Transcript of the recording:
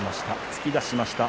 突き出しました。